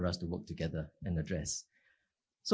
untuk kita bekerja bersama dan menangani